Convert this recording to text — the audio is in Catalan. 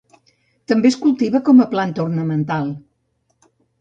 També es cultiva com planta ornamental.